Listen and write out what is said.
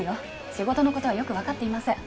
仕事のことはよく分かっていません